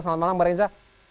selamat malam pak reza